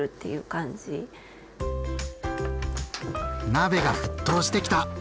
鍋が沸騰してきた！